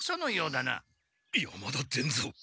山田伝蔵。